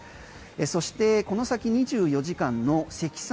そして、この先２４時間の積算